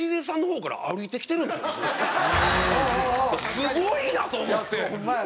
すごいなと思って。